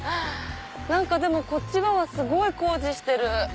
何かこっち側はすごい工事してる。